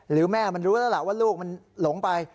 หรือแม่มันรู้แล้วล่ะว่าลูกมันหลงไป